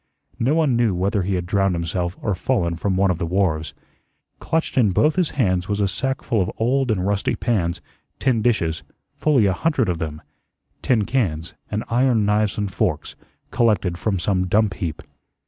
No one knew whether he had drowned himself or fallen from one of the wharves. Clutched in both his hands was a sack full of old and rusty pans, tin dishes fully a hundred of them tin cans, and iron knives and forks, collected from some dump heap.